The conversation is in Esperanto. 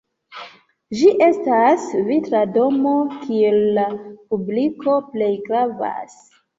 Ĝi estas vitra domo, kie la publiko plej gravas.